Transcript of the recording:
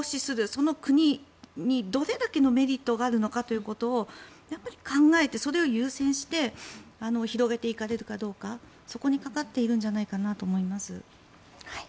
その国にどれだけのメリットがあるのかということをやっぱり考えて、それを優先して広げていけるかどうかそこにかかっているんじゃないかなと思います。